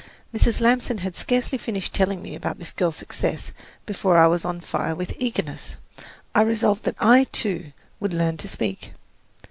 Mrs. Lamson had scarcely finished telling me about this girl's success before I was on fire with eagerness. I resolved that I, too, would learn to speak.